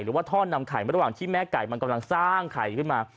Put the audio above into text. หรือว่าท่อนำไข่ระหว่างที่แม่ไก่มันกำลังสร้างไข่ขึ้นมา